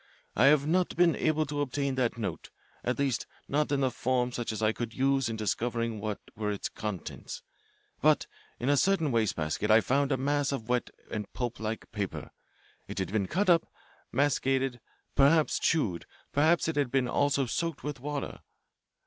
I have not been able to obtain that note at least not in a form such as I could use in discovering what were its contents. But in a certain wastebasket I found a mass of wet and pulp like paper. It had been cut up, macerated, perhaps chewed; perhaps it had been also soaked with water.